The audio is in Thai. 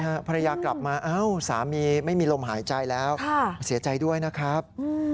ภรรยากลับมาเอ้าสามีไม่มีลมหายใจแล้วเสียใจด้วยนะครับ